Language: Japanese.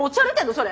それ。